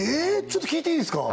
ちょっと聞いていいですか？